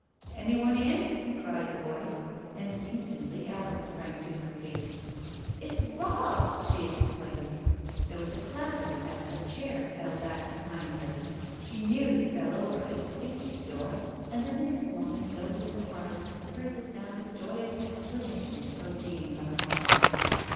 "Any one in?" cried the voice; and instantly Alice sprang to her feet. "It's Robb!" she exclaimed. There was a clatter as her chair fell back behind her; she nearly fell over it, reached the door, and the next moment those in the parlour heard the sound of joyous exclamations proceeding from the hall.